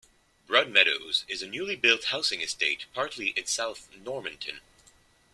Broadmeadows is a newly built housing estate partly in South Normanton.